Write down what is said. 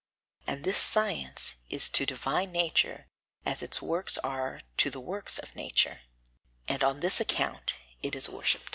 And this science is to divine nature as its works are to the works of nature, and on this account it is worshipped.